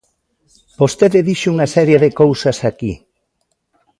Vostede dixo unha serie de cousas aquí.